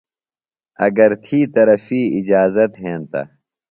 اگر تھی طرفی اِجازت ہنتہ۔